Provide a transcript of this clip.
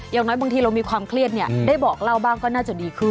อย่างน้อยบางทีเรามีความเครียดเนี่ยได้บอกเล่าบ้างก็น่าจะดีขึ้น